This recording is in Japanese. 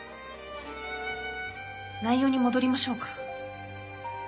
内容に戻りましょうか。